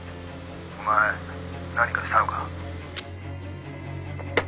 「お前何かしたのか？」